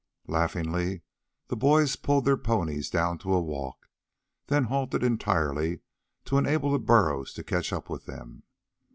Laughingly the lads pulled their ponies down to a walk; then halted entirely to enable the burros to catch up with them.